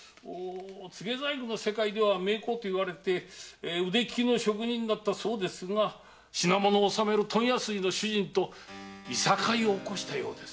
ツゲ細工の世界では名工と言われ腕利きの職人だったそうですが品物を納める問屋筋の主人といさかいを起こしたようです。